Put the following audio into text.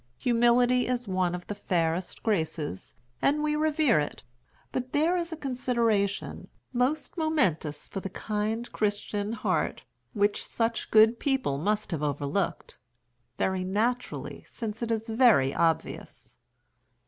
Humility is one of the fairest graces, and we revere it; but there is a consideration, most momentous for the kind Christian heart, which such good people must have overlooked—very naturally, since it is very obvious.